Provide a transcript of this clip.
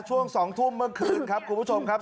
ช่วง๒ทุ่มเมื่อคืนครับคุณผู้ชมครับ